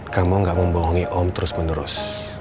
kamu gak membohongi om terus menerus